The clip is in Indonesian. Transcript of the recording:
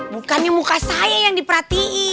bukannya muka saya yang diperhatiin